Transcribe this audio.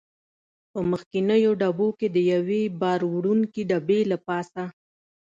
په مخکنیو ډبو کې د یوې بار وړونکې ډبې له پاسه.